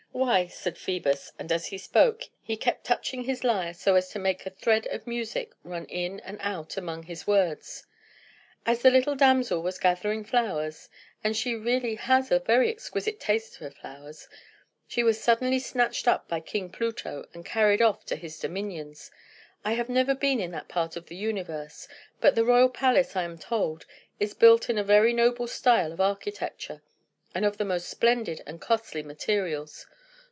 "Why," said Phœbus and as he spoke, he kept touching his lyre so as to make a thread of music run in and out among his words "as the little damsel was gathering flowers (and she has really a very exquisite taste for flowers) she was suddenly snatched up by King Pluto and carried off to his dominions. I have never been in that part of the universe; but the royal palace, I am told, is built in a very noble style of architecture, and of the most splendid and costly materials.